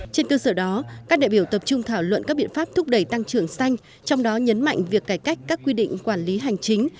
trên cơ sở đó các đại biểu tập trung thảo luận các biện pháp thúc đẩy tăng trưởng xanh trong đó nhấn mạnh việc cải cách các quy định quản lý hành chính